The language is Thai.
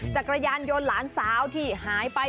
จักรยานยนต์หลานสาวที่หายไป